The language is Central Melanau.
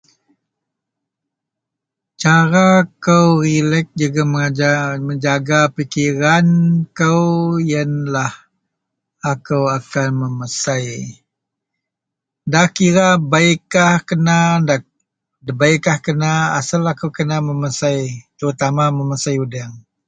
Cara kou relek jegem menjaga pikiran kou iyenlah akou akan memesei da kira bei kah kena dabeikah kena asel akou memesei terutama memesei udeng.